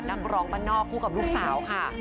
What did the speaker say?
นักร้องบ้านนอกคู่กับลูกสาวค่ะ